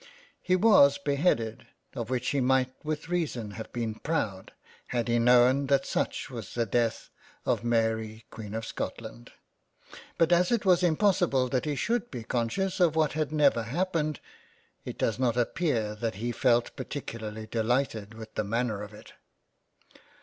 He was beheaded, of which he might with reason have been proud, had he known that such was the death of Mary Queen of Scotland ; but as it was impossible that he should be con scious of what had never happened, it does not appear that he felt particularly delighted with the manner of it.